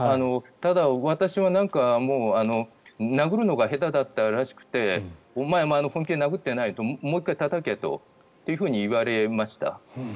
ただ、私は殴るのが下手だったらしくてお前、本気で殴ってないともう一回たたけと言われました。